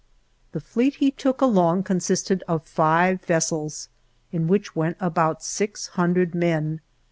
The fleet he took along consisted of five vessels, in which went about 600 men.